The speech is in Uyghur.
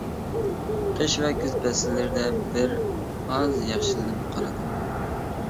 قىش ۋە كۈز پەسىللىرىدە بىر ئاز ياخشىلىنىپ قالىدۇ.